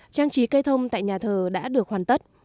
trang trí cây thông tại nhà thờ đã được hoàn tất